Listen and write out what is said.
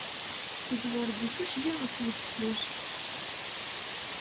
Teẓwer deg tuccga ɣef wedfel.